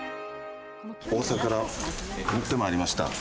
大阪から持ってまいりました。